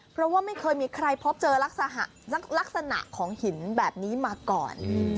เพราะว่าไม่เคยมีใครพบเจอลักษณะของหินแบบนี้มาก่อน